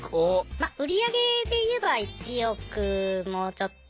ま売り上げでいえば１億もうちょっと。